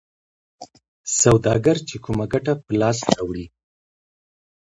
سوداګر چې کومه ګټه په لاس راوړي